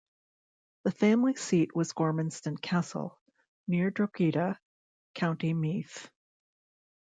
The family seat was Gormanston Castle, near Drogheda, County Meath.